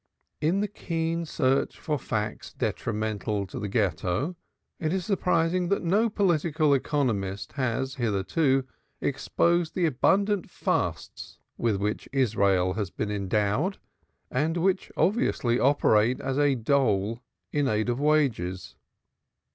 In the keen search for facts detrimental to the Ghetto it is surprising that no political economist has hitherto exposed the abundant fasts with which Israel has been endowed, and which obviously operate as a dole in aid of wages.